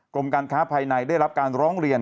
กรมการค้าภายในได้รับการร้องเรียน